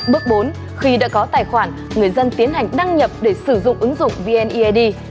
bước bốn khi đã có tài khoản người dân tiến hành đăng nhập để sử dụng ứng dụng vneid